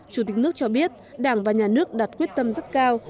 chủ tịch nước cho biết đảng và nhà nước đạt quyết tâm rất cao